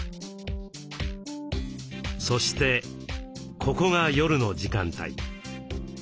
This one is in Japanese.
そしてここが夜の時間帯。